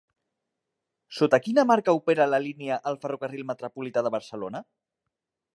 Sota quina marca opera la línia el Ferrocarril Metropolità de Barcelona?